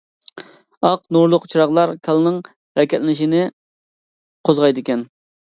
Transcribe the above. ئاق نۇرلۇق چىراغلار كاللىنىڭ ھەرىكەتلىنىشىنى قوزغايدىكەن.